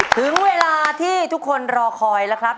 ถึงเวลาที่ทุกคนรอคอยแล้วครับ